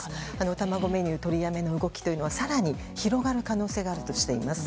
卵メニュー取り止めの動きというのは更に広がる可能性があるとしています。